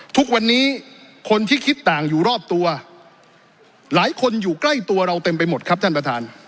ทุกวันนี้คนที่คิดต่างอยู่รอบตัวหลายคนอยู่ใกล้ตัวเราเต็มไปหมดครับท่านประธาน